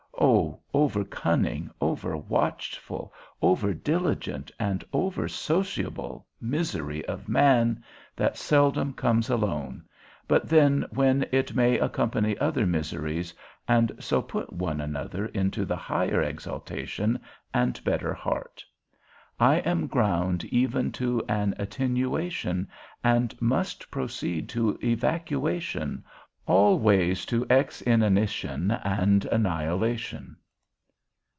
O over cunning, over watchful, over diligent, and over sociable misery of man, that seldom comes alone, but then when it may accompany other miseries, and so put one another into the higher exaltation, and better heart. I am ground even to an attenuation and must proceed to evacuation, all ways to exinanition and annihilation.